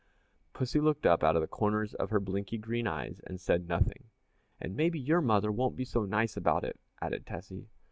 Pussy looked up out of the corners of her blinky green eyes but said nothing. "And maybe your mother won't be so nice about it," added Tessie.